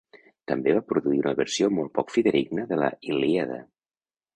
També va produir una versió molt poc fidedigna de la "Ilíada".